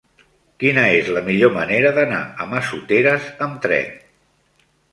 Quina és la millor manera d'anar a Massoteres amb tren?